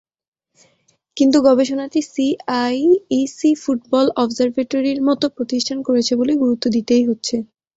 কিন্তু গবেষণাটি CIIC football অবজারভেটরির মতো প্রতিষ্ঠান করেছে বলে গুরুত্ব দিতেই হচ্ছে।